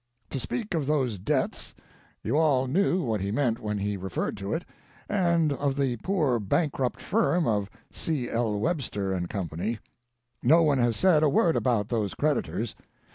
to speak of those debts, you all know what he meant when he referred to it, and of the poor bankrupt firm of C. L. Webster & Co. No one has said a word about those creditors.